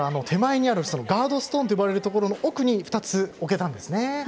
手前にあるガードストーンと呼ばれるところの奥に２つ置けたんですね。